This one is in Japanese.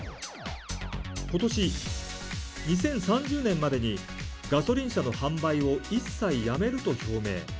ことし、２０３０年までにガソリン車の販売を一切やめると表明。